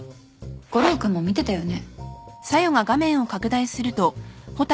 悟郎君も見てたよね？